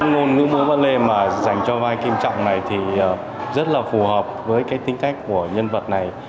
những múa ballet mà dành cho vai kim trọng này thì rất là phù hợp với cái tính cách của nhân vật này